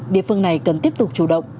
địa phương này cần tiếp tục chủ động